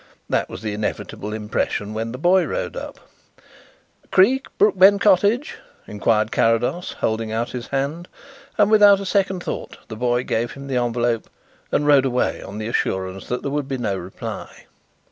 That was the inevitable impression when the boy rode up. "Creake, Brookbend Cottage?" inquired Carrados, holding out his hand, and without a second thought the boy gave him the envelope and rode away on the assurance that there would be no reply.